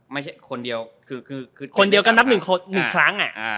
ไม่ใช่คนเดียวคือคือคนเดียวก็นับหนึ่งคนหนึ่งครั้งอ่ะอ่า